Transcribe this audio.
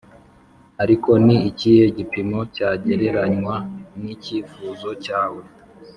ariko ni ikihe gipimo cyagereranywa n'icyifuzo cyawe?